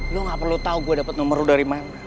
lo gak perlu tau gue dapet nomor lo dari mana